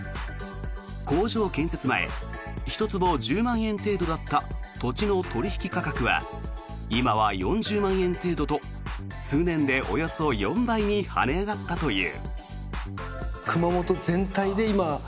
工場建設前１坪１０万円程度だった土地の取引価格は今は４０万円程度と数年でおよそ４倍に跳ね上がったという。